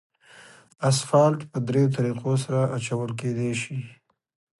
اسفالټ په دریو طریقو سره اچول کېدای شي